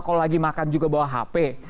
kalau lagi makan juga bawa hp